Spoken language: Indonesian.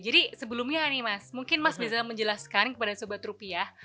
jadi sebelumnya nih mas mungkin mas bisa menjelaskan kepada sobat rupiah